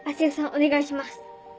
お願いします。